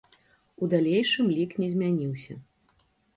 У далейшым лік не змяніўся.